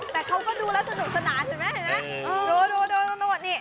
แต่เขาก็ดูละสนุกสนานใช่ไหมดูนี่